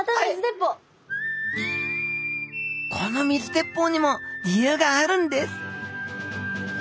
この水鉄砲にも理由があるんです